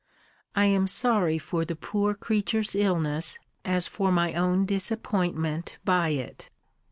I am sorry for the poor creature's illness as for my own disappointment by it.